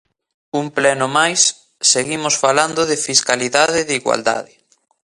Un pleno máis, seguimos falando de fiscalidade e de igualdade.